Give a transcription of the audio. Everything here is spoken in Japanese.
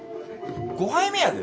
５杯目やで？